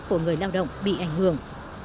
của người lao động bị ảnh hưởng